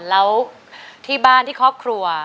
แล้วที่บ้านที่ครอบครัว